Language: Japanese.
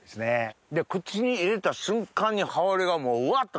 口に入れた瞬間に香りがうわっと！